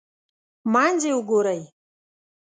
منځ یې وګورئ.